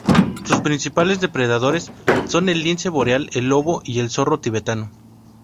Sus principales depredadores son el lince boreal, el lobo y el zorro tibetano.